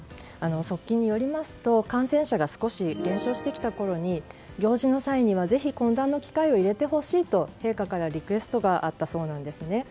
側近によりますと感染者が少し減少してきたころに行事の際にはぜひ懇談の機会を入れてほしいと陛下からリクエストがあったそうなんですね。